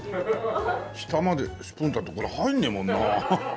下までスプーンっつったってこれ入んねえもんな。